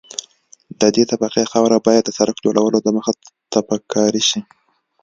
د دې طبقې خاوره باید د سرک جوړولو دمخه تپک کاري شي